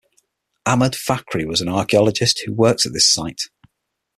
Ahmad Fakhri was an archaeologist who worked at this site.